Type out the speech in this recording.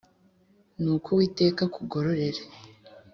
Nuko Uwiteka akugororere